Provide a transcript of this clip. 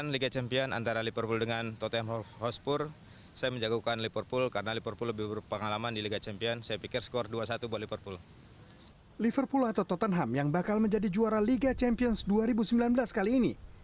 liga champion atau tottenham yang bakal menjadi juara liga champions dua ribu sembilan belas kali ini